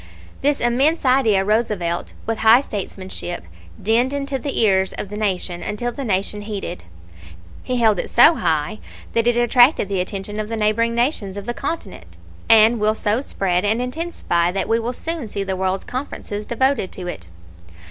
"This immense idea Roosevelt, with high statesmanship, dinned into the ears of the Nation until the Nation heeded. He held it so high that it attracted the attention of the neighboring nations of the continent, and will so spread and intensify that we will soon see the world's conferences devoted to it.